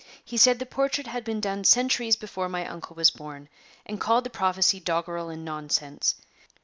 He said the portrait had been done centuries before my uncle was born, and called the prophecy doggerel and nonsense.